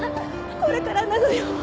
これからなのよ